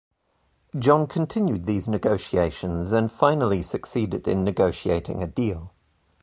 John continued these negotiations and finally succeeded in negotiating a deal.